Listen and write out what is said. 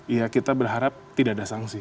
ya kita berharap tidak ada sanksi